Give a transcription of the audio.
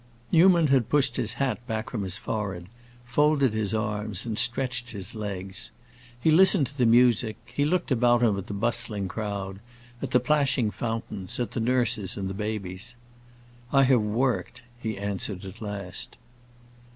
Newman had pushed his hat back from his forehead, folded his arms, and stretched his legs. He listened to the music, he looked about him at the bustling crowd, at the plashing fountains, at the nurses and the babies. "I have worked!" he answered at last.